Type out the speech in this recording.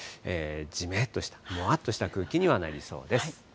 じめっと、もわっとした空気になりそうです。